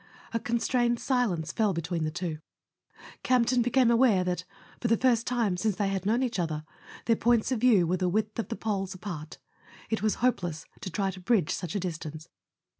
A constrained silence fell between the two. Campton [ 12 ] A SON AT THE FRONT became aware that, for the first time since they had known each other, their points of view were the width of the poles apart. It was hopeless to try to bridge such a distance.